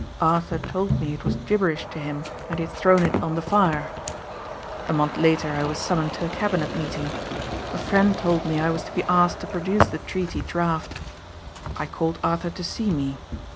Arthur told me it was gibberish to him and he had thrown it on the fire. A month later I was summoned to a cabinet meeting. A friend told me I was to be asked to produce the treaty draft. I called Arthur to see me.